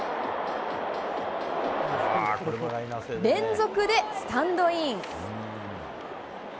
連続でスタンドイン。